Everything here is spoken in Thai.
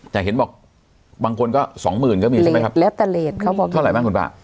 แต่เห็นบอกบางคนก็สองหมื่นก็มีใช่ไหมครับเท่าไหร่บ้างคุณป้า